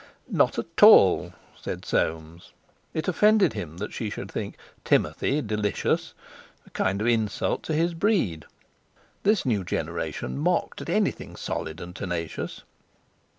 "Not at all," said Soames. It offended him that she should think "Timothy" delicious—a kind of insult to his breed. This new generation mocked at anything solid and tenacious.